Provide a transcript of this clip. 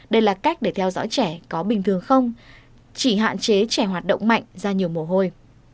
đây là cách để theo dõi trẻ có bình thường không chỉ hạn chế trẻ hoạt động mạnh ra nhiều mồ hôi